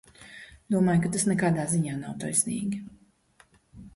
Domāju, ka tas nekādā ziņā nav taisnīgi.